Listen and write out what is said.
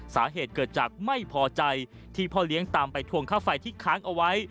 สาเหตุเกิดจากไม่พอใจที่พ่อเลี้ยงตามไปทวงค่าไฟที่ค้างเอาไว้